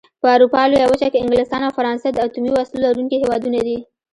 په اروپا لويه وچه کې انګلستان او فرانسه د اتومي وسلو لرونکي هېوادونه دي.